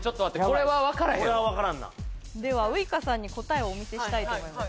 ・これは分からんなではウイカさんに答えをお見せしたいと思います